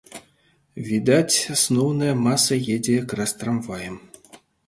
Відаць, асноўная маса едзе якраз трамваем.